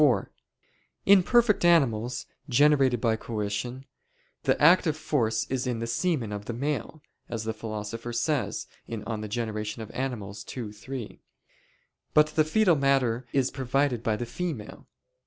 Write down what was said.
4: In perfect animals, generated by coition, the active force is in the semen of the male, as the Philosopher says (De Gener. Animal. ii, 3); but the foetal matter is provided by the female.